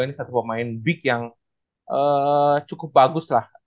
ini satu pemain big yang cukup bagus lah